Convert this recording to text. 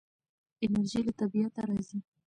انرژي له طبیعته راځي.